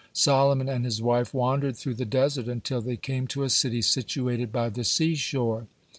Solomon and his wife wandered through the desert until they came to a city situated by the sea shore.